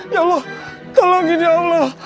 ya allah tolongin ya allah